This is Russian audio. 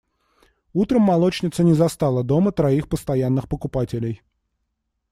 Утром молочница не застала дома троих постоянных покупателей.